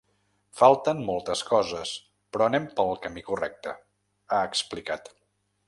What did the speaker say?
Falten moltes coses, però anem pel camí correcte, ha explicat.